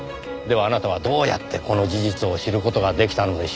ではあなたはどうやってこの事実を知る事が出来たのでしょう？